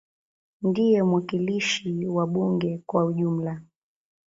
Ndiye mwakilishi wa bunge kwa ujumla.